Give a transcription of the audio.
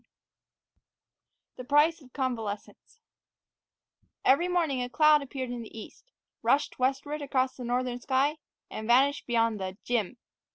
IX THE PRICE OF CONVALESCENCE EVERY morning a cloud appeared in the east, rushed westward across the northern sky, and vanished beyond the "Jim."